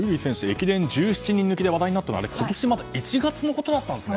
駅伝１７人抜きで話題になったのはまだ今年の１月だったんですね。